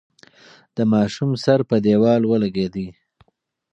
د ماشوم سر په دېوال ولگېد.